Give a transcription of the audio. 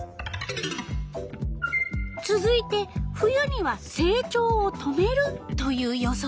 つづいて「冬には成長を止める」という予想。